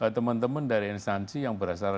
teman teman dari instansi yang berasal